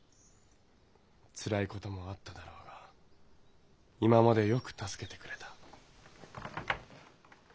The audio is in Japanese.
つらい事もあっただろうが今までよく助けてくれた。